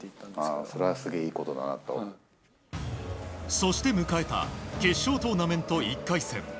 そして迎えた決勝トーナメント１回戦。